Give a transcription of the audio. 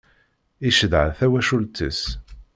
Icedha tawacult-is.